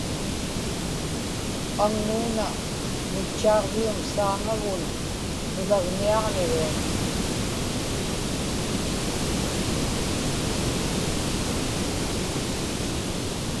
aŋmuuna mitchaaġvium saaŋanun tulagniaġniruaq